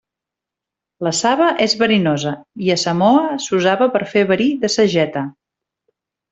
La saba és verinosa i a Samoa s'usava per fer verí de sageta.